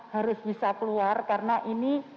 harus bisa keluar karena ini